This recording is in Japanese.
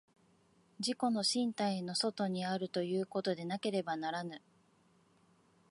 自己の身体の外にあるということでなければならぬ。